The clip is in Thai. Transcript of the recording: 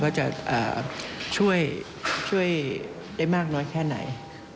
ว่าจะช่วยได้มากน้อยแค่ไหน